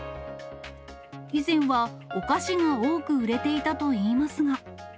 以前はお菓子が多く売れていたといいますが。